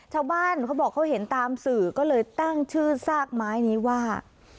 เขาบอกเขาเห็นตามสื่อก็เลยตั้งชื่อซากไม้นี้ว่า